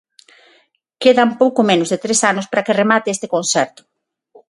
Quedan pouco menos de tres anos para que remate este concerto.